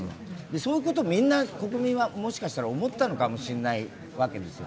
そういうことをみんな、国民はもしかしたら思ったのかもしれないわけですよ。